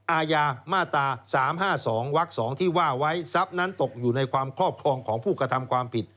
อาญามาตรา๓๕๒วัก๒ที่ว่าไว้ทรัพย์นั้นตกอยู่ในความครอบครองของผู้กระทำความผิด